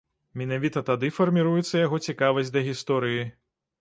Менавіта тады фарміруецца яго цікавасць да гісторыі.